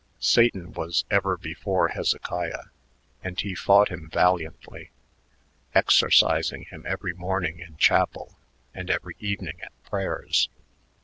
Satan was ever before Hezekiah, and he fought him valiantly, exorcising him every morning in chapel and every evening at prayers.